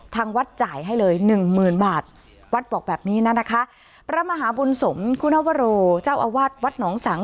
ทางวัดจ่ายให้เลยหนึ่งหมื่นบาทวัดบอกแบบนี้นะคะพระมหาบุญสมคุณวโรเจ้าอาวาสวัดหนองสัง